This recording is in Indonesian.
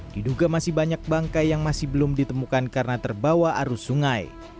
diduga masih banyak bangkai yang masih belum ditemukan karena terbawa arus sungai